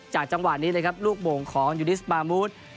จังหวะนี้เลยครับลูกโมงของยูนิสมามูธ